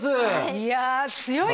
いや強い！